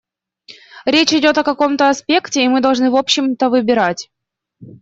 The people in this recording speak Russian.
Речь идет о каком-то аспекте, и мы должны в общем-то выбирать.